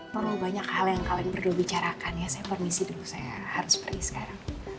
perlu banyak hal yang kalian perlu bicarakan ya saya permisi dulu saya harus seperti sekarang